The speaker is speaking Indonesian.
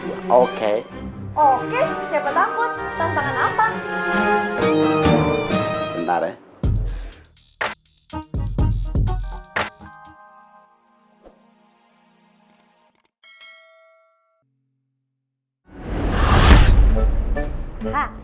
oke oke siapa takut tantangan apa ntar ya